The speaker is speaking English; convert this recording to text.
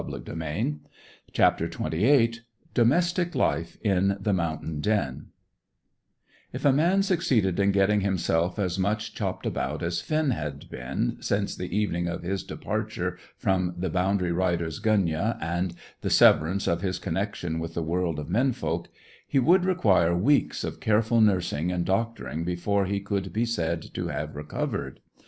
CHAPTER XXVIII DOMESTIC LIFE IN THE MOUNTAIN DEN If a man succeeded in getting himself as much chopped about as Finn had been since the evening of his departure from the boundary rider's gunyah and the severance of his connection with the world of men folk, he would require weeks of careful nursing and doctoring before he could be said to have recovered.